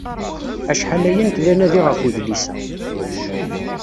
Acḥal aya nekk d anadi ɣef udlis-a.